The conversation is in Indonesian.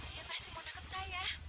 dia pasti mau nangkep saya